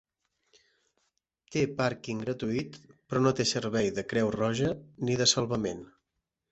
Té pàrquing gratuït, però no té servei de creu roja ni de salvament.